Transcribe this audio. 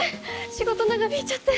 仕事長引いちゃって。